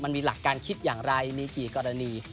มันมีหลักการคิดอย่างไรมีกี่กรณี